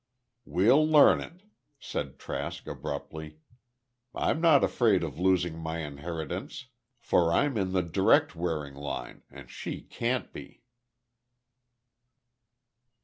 "Well, learn it," said Trask, abruptly. "I'm not afraid of losing my inheritance for I'm in the direct Waring line and she can't be."